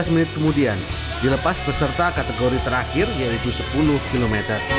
lima belas menit kemudian dilepas peserta kategori terakhir yaitu sepuluh km